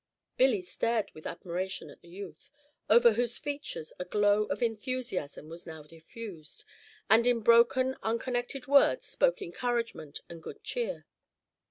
Billy stared with admiration at the youth, over whose features a glow of enthusiasm was now diffused, and in broken, unconnected words spoke encouragement and good cheer.